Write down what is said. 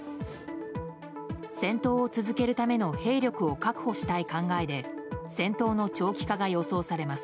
戦闘を続けるための兵力を確保したい考えで戦闘の長期化が予想されます。